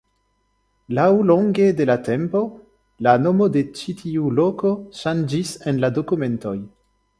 Laŭlonge de la tempo, la nomo de ĉi tiu loko ŝanĝis en la dokumentoj.